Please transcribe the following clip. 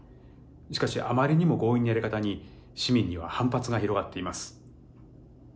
しかし、あまりにも強引なやり方に市民には反発が広がっています。